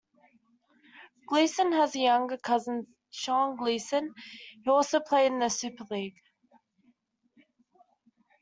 Gleeson has a younger cousin, Sean Gleeson, who also played in the Super League.